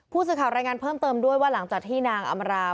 ผู้สื่อข่าวรายงานเพิ่มเติมด้วยว่าหลังจากที่นางอำรา